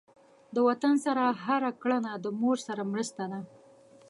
د وطن سره هر کړنه د مور سره مرسته ده.